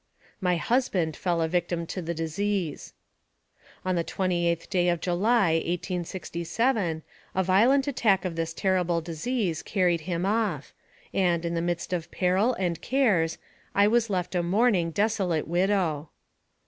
My husband fell a victim to the disease. AMONG THE SIOUX INDIANS. 235 On the 28th day of July, 1867, a violent attack of this terrible disease carried him off, and, in the midst of peril and cares, I was left a mourning, desolate widow.